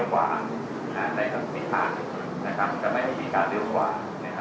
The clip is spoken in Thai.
คือเปิดทางเข้าทางเร็วกว่า